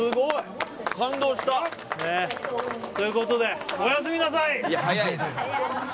感動した。ということでおやすみなさい！